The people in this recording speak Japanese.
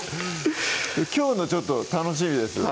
きょうのちょっと楽しみです